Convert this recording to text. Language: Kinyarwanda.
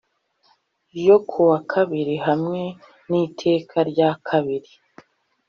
n yo kuwa kabiri hamwe n Iteka rya kabiri